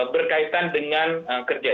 berkaitan dengan kerja